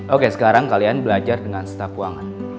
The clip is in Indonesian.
oke sekarang kalian belajar dengan setah kuangan